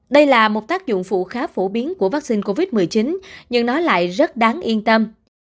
đây là một tác dụng phụ khá phổ biến của vaccine covid một mươi chín nhưng nó lại rất đáng yên tâm